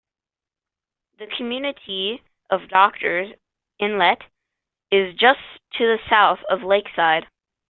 The community of Doctors Inlet is just to the south of Lakeside.